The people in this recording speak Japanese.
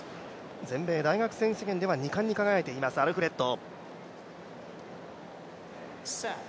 全米大学選手権では２冠に輝いているアルフレッド。